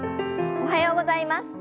おはようございます。